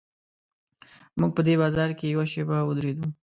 موږ په دې بازار کې یوه شېبه ودرېدو.